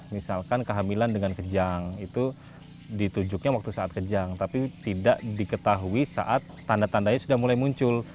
misalkan kehamilan dengan kejang itu ditujuknya waktu saat kejang tapi tidak diketahui saat tanda tandanya sudah mulai muncul